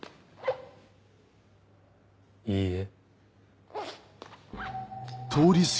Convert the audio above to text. いいえ。